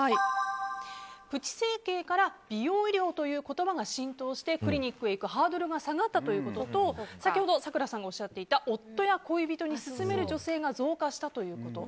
プチ整形から美容医療という言葉が浸透してクリニックに行くハードルが下がったということと先ほど咲楽さんがおっしゃっていた夫や恋人に勧める女性が増加したということ。